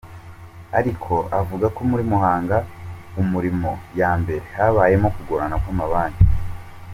Ariko avuga ko muri hanga umurimo ya mbere habayemo kugorana kw’amabanki.